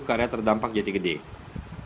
mencari penyelesaian yang terdampak jati gede